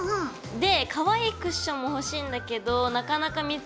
でかわいいクッションも欲しいんだけどなかなか見つからないのよ。